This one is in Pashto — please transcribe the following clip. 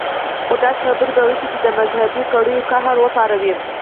خو داسې خبرې به وکي چې د مذهبي کړيو قهر وپاروي.